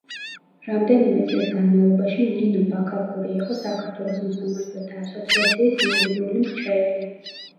რამდენიმე წლის განმავლობაში ნინო ბაქაქური იყო საქართველოს მოსამართლეთა ასოციაციის იურიდიული მრჩეველი.